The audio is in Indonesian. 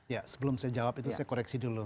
ya sebelum saya jawab itu saya koreksi dulu